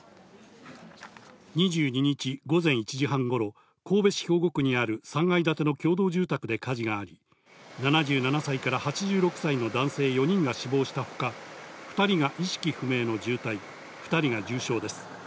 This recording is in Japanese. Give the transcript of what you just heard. ２２日午前１時半頃、神戸市兵庫区にある３階建ての共同住宅で火事があり、７７歳から８６歳の男性４人が死亡したほか、２人が意識不明の重体、２人が重傷です。